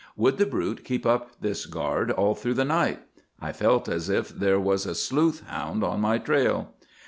Would the brute keep up this guard all through the night? I felt as if there was a sleuth hound on my trail.